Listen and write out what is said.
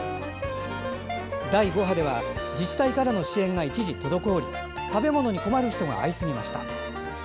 第５波では自治体からの支援が一時、滞り食べ物に困る人が相次ぎました。